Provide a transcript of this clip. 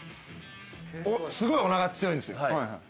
すごいおなか強いんですよ。